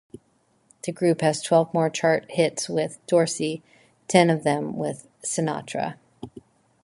The group had twelve more chart hits with Dorsey, ten of them with Sinatra.